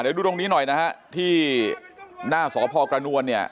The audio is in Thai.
เดี๋ยวดูตรงนี้หน่อยนะฮะที่หน้าสพกระนวลเนี่ย